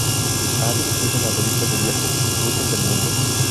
Ha dirigido la revista de viajes Rutas del Mundo.